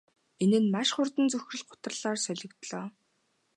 Энэ нь маш хурдан цөхрөл гутралаар солигдлоо.